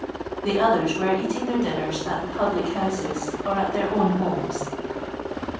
The others were eating their dinners at the public houses or at their own homes.